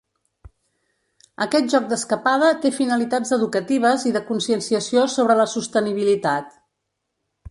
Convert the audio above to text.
Aquest joc d’escapada té finalitats educatives i de conscienciació sobre la sostenibilitat.